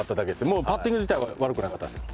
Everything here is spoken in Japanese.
もうパッティング自体は悪くなかったです。